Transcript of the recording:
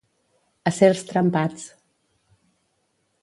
Acers trempats